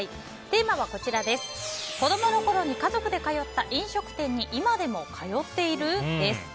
テーマは子供の頃に家族で通った飲食店に今でも通っている？です。